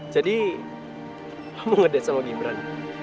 jadi kamu ngedance sama lo gibran